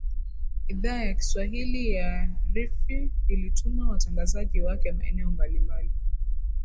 idhaa ya kiswahili ya rfi ilituma watangazaji wake maeneo mbalimbali